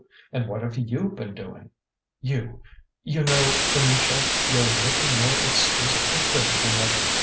And what have you been doing? You you know, Venetia you're looking more exquisitely pretty than ever!"